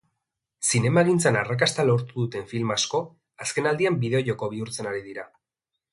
Zinemagintzan arrakasta lortu duten film asko, azkenaldian bideojoko bihurtzen ari dira.